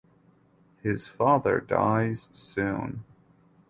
His father dies soon.